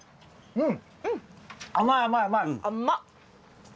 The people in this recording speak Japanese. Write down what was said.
うん。